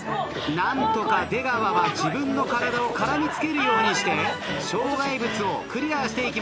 何とか出川は自分の体を絡み付けるようにして障害物をクリアしていきます。